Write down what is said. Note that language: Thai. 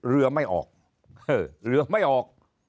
เรือไม่ออก